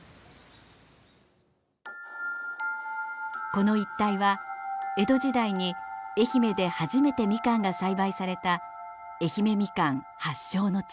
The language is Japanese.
この一帯は江戸時代に愛媛で初めてみかんが栽培された愛媛みかん発祥の地。